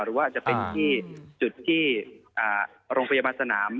หรือว่าจะเป็นที่จุดที่โรงพยาบาลสนาม